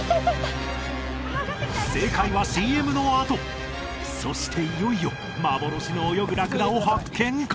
正解はＣＭのあとそしていよいよ幻の泳ぐラクダを発見か！？